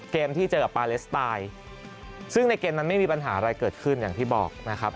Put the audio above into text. เกมที่เจอกับปาเลสไตน์ซึ่งในเกมนั้นไม่มีปัญหาอะไรเกิดขึ้นอย่างที่บอกนะครับ